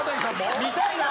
見たいなぁ。